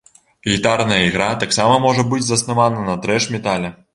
Гітарная ігра таксама можа быць заснавана на трэш-метале.